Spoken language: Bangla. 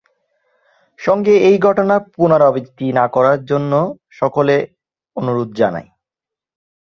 সঙ্গে এই ঘটনার পুনরাবৃত্তি না করার জন্য সকলে অনুরোধ জানায়।